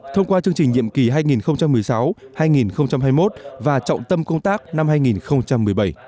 thông qua chương trình nhiệm kỳ hai nghìn một mươi sáu hai nghìn hai mươi một và trọng tâm công tác năm hai nghìn một mươi bảy